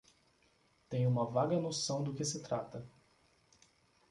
Tenho uma vaga noção do que se trata.